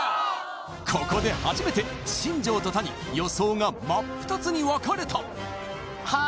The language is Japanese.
ここで初めて新庄と谷予想が真っ二つに分かれた